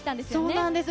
そうなんです。